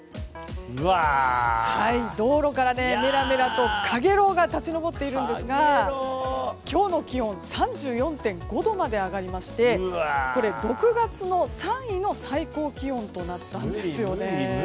道路からメラメラと陽炎が立ち上っているんですが今日の気温は３４．５度まで上がりましてこれは６月の３位の最高気温となったんです。